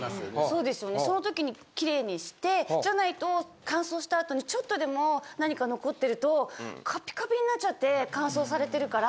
そうですよねその時に綺麗にしてじゃないと乾燥した後にちょっとでも何か残ってるとカピカピになっちゃって乾燥されてるから。